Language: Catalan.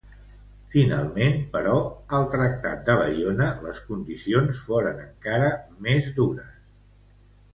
Finalment, però, al tractat de Baiona les condicions foren encara més dures.